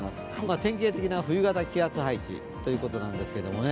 典型的な冬型気圧配置ということなんですけどね。